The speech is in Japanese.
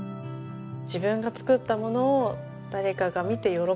自分が作ったものを誰かが見て喜ぶっていうの。